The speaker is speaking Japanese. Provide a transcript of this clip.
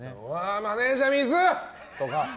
マネジャー、水！とか。